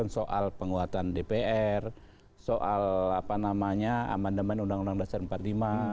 soal penguatan dpr soal amandaman undang undang dasar empat puluh lima